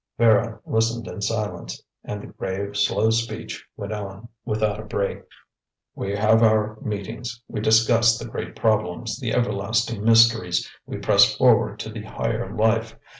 Vera listened in silence, and the grave, slow speech went on without a break. "We have our meetings. We discuss the great problems, the everlasting mysteries; we press forward to the higher life.